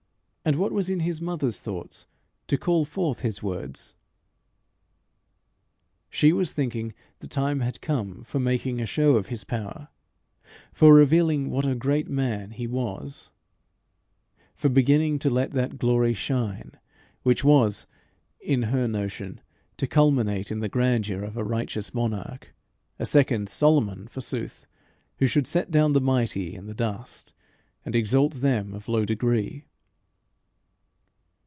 and what was in his mother's thoughts to call forth his words? She was thinking the time had come for making a show of his power for revealing what a great man he was for beginning to let that glory shine, which was, in her notion, to culminate in the grandeur of a righteous monarch a second Solomon, forsooth, who should set down the mighty in the dust, and exalt them of low degree.